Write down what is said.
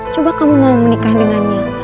coba kamu mau menikah dengannya